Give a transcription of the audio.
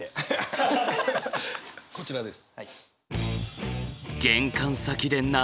こちらです。